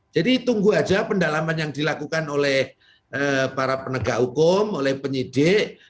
jadi tunggu aja pendalaman yang dilakukan oleh para penegak hukum oleh penyidik